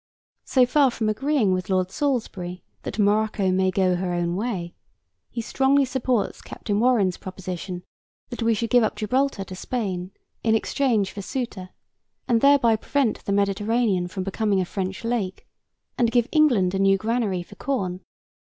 So far from agreeing with Lord Salisbury that 'Morocco may go her own way,' he strongly supports Captain Warren's proposition that we should give up Gibraltar to Spain in exchange for Ceuta, and thereby prevent the Mediterranean from becoming a French lake, and give England a new granary for corn.